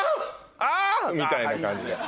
みたいな感じで。